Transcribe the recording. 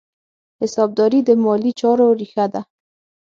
حسابداري د مالي چارو ریښه ده.